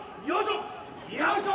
よいしょ！